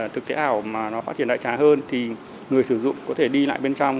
thực tế ảo mà nó phát triển đại trà hơn thì người sử dụng có thể đi lại bên trong